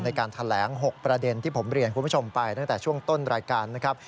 ในการแถลง๖ประเด็นที่ผมเรียนคุณผู้ชมไปตั้งแต่ช่วงต้นรายการนะครับ